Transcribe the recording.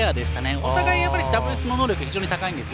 お互いダブルスの能力非常に高いんですよ。